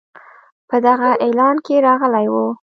په دغه اعلان کې راغلی وو.